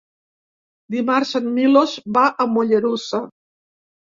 Dimarts en Milos va a Mollerussa.